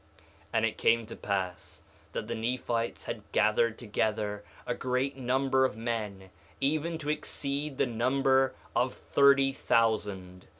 1:11 And it came to pass that the Nephites had gathered together a great number of men, even to exceed the number of thirty thousand.